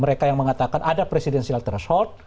mereka yang mengatakan ada presidensial threshold